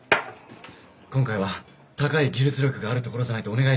今回は高い技術力があるところじゃないとお願いできません。